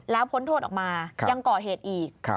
แล้วพ้นโทษออกมายังก่อเหตุอีก